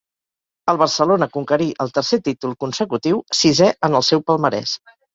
El Barcelona conquerí el tercer títol consecutiu, sisè en el seu palmarès.